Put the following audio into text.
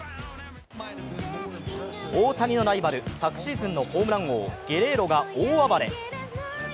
大谷のライバル昨シーズンのホームラン王・ゲレーロが大暴れ。